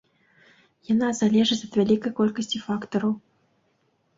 Яна залежыць ад вялікай колькасці фактараў.